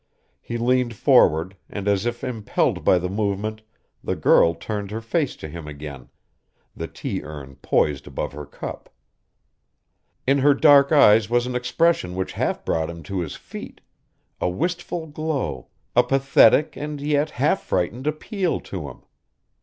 He leaned forward, and as if impelled by the movement, the girl turned her face to him again, the tea urn poised above her cup. In her dark eyes was an expression which half brought him to his feet, a wistful glow, a pathetic and yet half frightened appeal to him.